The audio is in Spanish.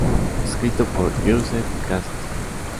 Escrito por Youssef Cassis